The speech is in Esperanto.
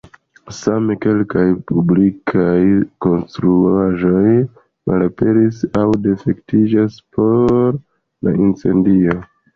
Same, kelkaj publikaj konstruaĵoj malaperis aŭ difektiĝis por la incendio.